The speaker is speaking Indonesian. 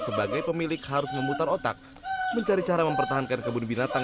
sebagai pemilik harus memutar otak mencari cara mempertahankan kebun binatang